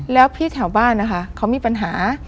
แล้วพี่แถวบ้านนะคะเขามีปัญหา